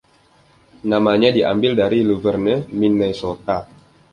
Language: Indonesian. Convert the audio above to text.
Namanya diambil dari Luverne, Minnesota.